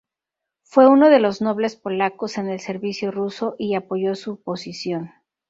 Fue uno de los nobles polacos en el servicio ruso y apoyó su posición.